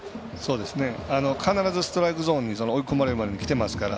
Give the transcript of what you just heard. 必ずストライクゾーンに追い込まれる前にきてますから。